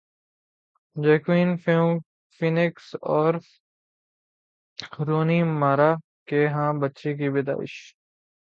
Joaquin Phoenix اور Rooney Mara کے ہاں بچے کی پیدائش